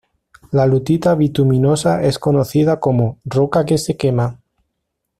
La lutita bituminosa es conocida como 'roca que se quema'.